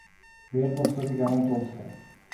বিয়ের প্রস্তুতি কেমন চলছে?